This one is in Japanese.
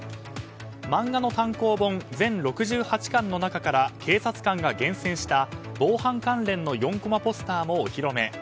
漫画の単行本、全６８巻の中から警察官が厳選した防犯関連のポスターもお披露目。